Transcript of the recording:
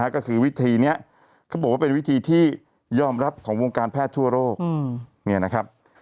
ก็คือวิธีนี้เขาบอกว่าเป็นวิธีที่ยอมรับของวงการแพทย์ทั่วโลก